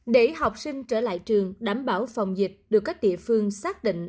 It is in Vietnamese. để học sinh trở lại trường đảm bảo phòng dịch được các địa phương xác định